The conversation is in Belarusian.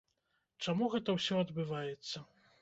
Чаму гэта ўсё адбываецца?